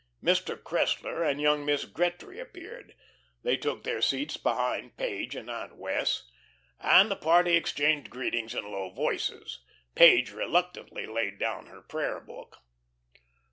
Mr. Cressler and young Miss Gretry appeared. They took their seats behind Page and Aunt Wess', and the party exchanged greetings in low voices. Page reluctantly laid down her prayer book.